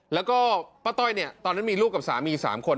แล้วก็ป้าต้อยเนี่ยตอนนั้นมีลูกกับสามี๓คน